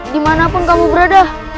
dimanapun kamu berada